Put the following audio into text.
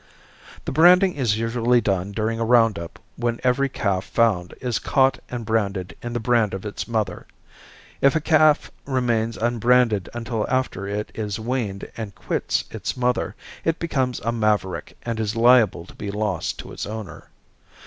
The branding is usually done during a round up when every calf found is caught and branded in the brand of its mother. If a calf remains unbranded until after it is weaned and quits its mother, it becomes a maverick and is liable to be lost to its owner.